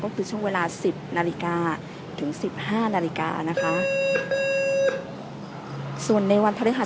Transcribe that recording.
ก็เป็นไปได้ตามแผนนะครับ